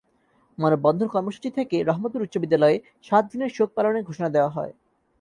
মানববন্ধন কর্মসূচি থেকে রহমতপুর উচ্চবিদ্যালয়ে সাত দিনের শোক পালনের ঘোষণা দেওয়া হয়।